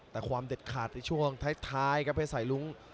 แต่ความเด็ดขาดในช่วงท้ายครับเพชรสายลุ้ง